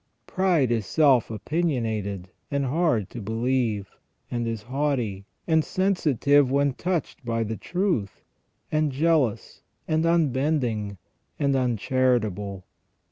Pride is self opinionated, and hard to believe, and is haughty, and sensitive when touched by the truth, and jealous, and unbending, and uncharitable.